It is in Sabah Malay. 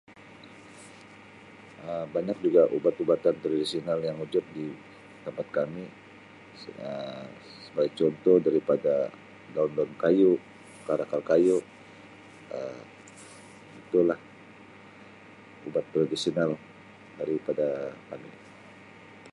Um Banyak juga ubat-ubatan tradisional yang wujud di tempat kami seb- Um sebagai contoh daripada daun daun kayu akar-akar kayu Um itulah ubat tradisional daripada kami.